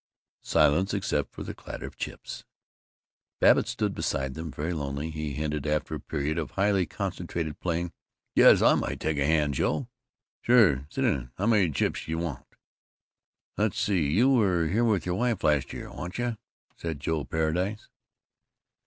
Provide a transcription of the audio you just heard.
Silence, except for the clatter of chips. Babbitt stood beside them, very lonely. He hinted, after a period of highly concentrated playing, "Guess I might take a hand, Joe." "Sure. Sit in. How many chips you want? Let's see; you were here with your wife, last year, wa'n't you?" said Joe Paradise.